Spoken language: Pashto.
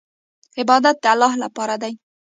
عبادت د الله لپاره دی.